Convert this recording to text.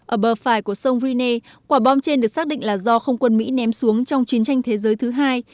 ở bờ phải của sông rinea quả bom trên được xác định là do không quân mỹ ném xuống trong chiến tranh thế giới thứ hai